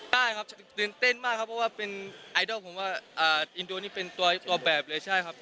ได้ครับตื่นเต้นมากครับเพราะว่าเป็นไอดอลผมว่าอินโดนี่เป็นตัวแบบเลยใช่ครับ